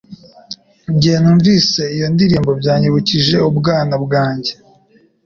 Igihe numvise iyo ndirimbo, byanyibukije ubwana bwanjye